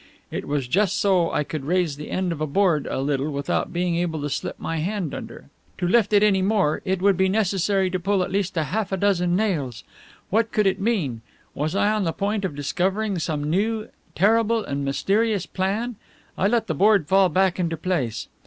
It was just so I could raise the end of the board a little without being able to slip my hand under. To lift it any more it would be necessary to pull at least half a dozen nails. What could it mean? Was I on the point of discovering some new terrible and mysterious plan? I let the board fall back into place.